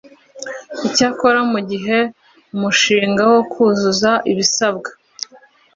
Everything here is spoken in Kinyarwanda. icyakora mu gihe umushinga wo kuzuza ibisabwa